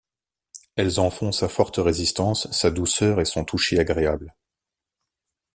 Elles en font sa forte résistance, sa douceur et son toucher agréable.